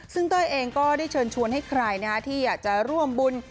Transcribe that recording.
ซึ่งเต้ยเองก็ได้เชิญชวนให้ใครที่อยากจะร่วมบุญ